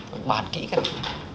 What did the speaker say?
mình bàn kỹ cái này